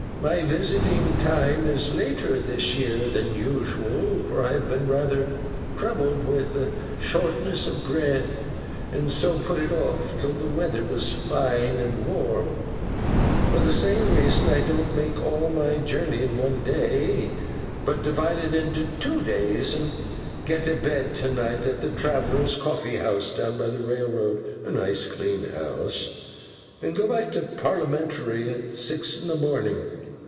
'My visiting time is later this year than usual, for I have been rather troubled with shortness of breath, and so put it off till the weather was fine and warm. For the same reason I don't make all my journey in one day, but divide it into two days, and get a bed to night at the Travellers' Coffee House down by the railroad (a nice clean house), and go back Parliamentary, at six in the morning.